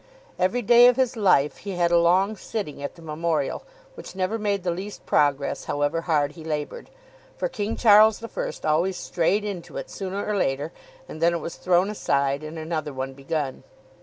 Every day of his life he had a long sitting at the Memorial, which never made the least progress, however hard he laboured, for King Charles the First always strayed into it, sooner or later, and then it was thrown aside, and another one begun.